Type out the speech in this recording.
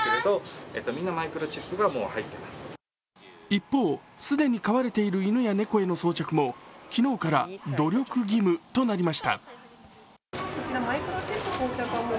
一方、既に飼われている犬や猫への装着も昨日から努力義務となりました。